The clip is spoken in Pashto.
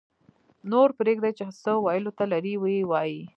-نور پرېږدئ چې څه ویلو ته لري ویې وایي